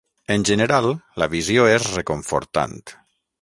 En general, la visió és reconfortant.